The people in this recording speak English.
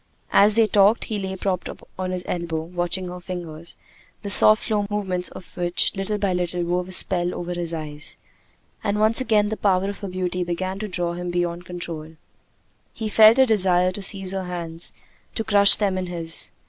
As they talked, he lay propped on his elbow, watching her fingers, the soft slow movements of which little by little wove a spell over his eyes. And once again the power of her beauty began to draw him beyond control. He felt a desire to seize her hands, to crush them in his.